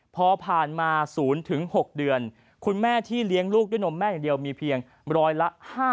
พอผ่านมา๐๖เดือนคุณแม่ที่เลี้ยงลูกด้วยนมแม่อย่างเดียวมีเพียงร้อยละ๕๐